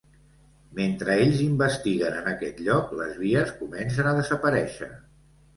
Mentre ells investiguen en aquest lloc, les vies comencen a desaparèixer.